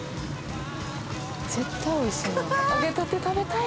絶対おいしい。